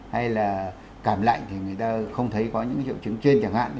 hay là tạm lạnh thì người ta không thấy có những cái triệu chứng trên chẳng hạn